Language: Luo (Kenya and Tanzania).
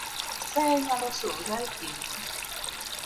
Be Nyasaye nyalo sunga ekind ji?